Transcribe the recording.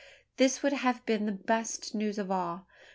This would have been the best news of all.